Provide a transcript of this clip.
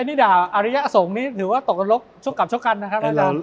ไอ้นี่ด่าอาริยสงฆ์นี้ถือว่าตกลงลบชกกับชกกันนะครับ